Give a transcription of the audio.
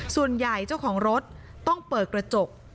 ส่วนใหญ่เจ้าของรถต้องเปิดกระจก